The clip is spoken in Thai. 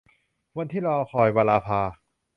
วันนี้ที่รอคอย - วราภา